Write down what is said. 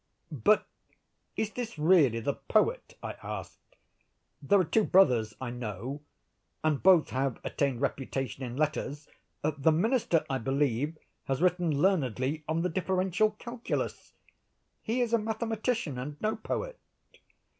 "But is this really the poet?" I asked. "There are two brothers, I know; and both have attained reputation in letters. The Minister I believe has written learnedly on the Differential Calculus. He is a mathematician, and no poet."